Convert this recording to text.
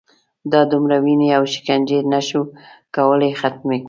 دا دومره وینې او شکنجې نه شو کولای ختمې کړو.